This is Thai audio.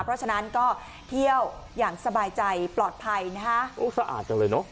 เพราะฉะนั้นก็เที่ยวอย่างสบายใจปลอดภัยนะฮะโอ้สะอาดจังเลยเนอะ